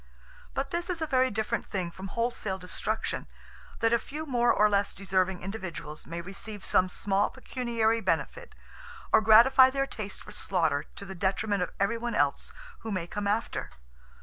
But this is a very different thing from wholesale destruction, that a few more or less deserving individuals may receive some small pecuniary benefit, or gratify their taste for slaughter to the detriment of everyone else who may come after.